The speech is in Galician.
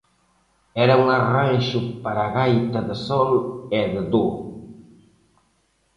Era un arranxo para gaita de sol e de do.